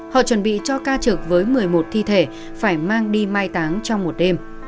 họ chuẩn bị cho ca trực với một mươi một thi thể phải mang đi mai táng trong một đêm